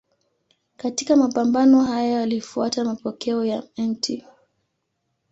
Katika mapambano hayo alifuata mapokeo ya Mt.